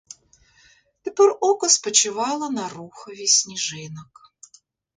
Тепер око спочивало на рухові сніжинок.